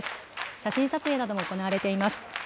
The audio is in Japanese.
写真撮影なども行われています。